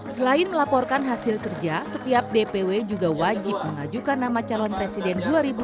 selain melaporkan hasil kerja setiap dpw juga wajib mengajukan nama calon presiden dua ribu dua puluh